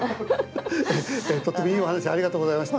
とってもいいお話ありがとうございました。